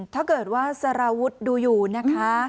ถ้าเกิดว่าสารวุฒิดูอยู่นะคะ